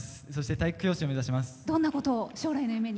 体育教師を目指します。